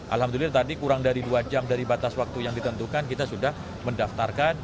alhamdulillah tadi kurang dari dua jam dari batas waktu yang ditentukan kita sudah mendaftarkan